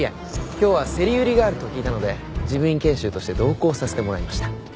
今日は競り売りがあると聞いたので事務員研修として同行させてもらいました。